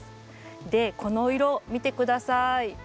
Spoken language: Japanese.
でこの色見て下さい。